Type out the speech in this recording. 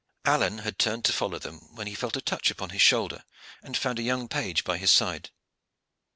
Alleyne had turned to follow them, when he felt a touch upon his shoulder, and found a young page by his side.